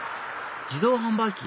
自動販売機？